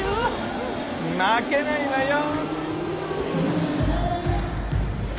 負けないわよ。